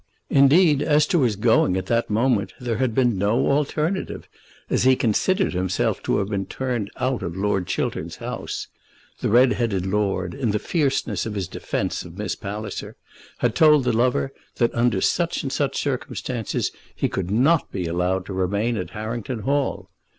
Indeed, as to his going at that moment there had been no alternative, as he considered himself to have been turned out of Lord Chiltern's house. The red headed lord, in the fierceness of his defence of Miss Palliser, had told the lover that under such and such circumstances he could not be allowed to remain at Harrington Hall.